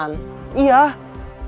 orang yang kemarin mau mukulin kusman